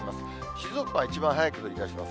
静岡は一番早く降りだします。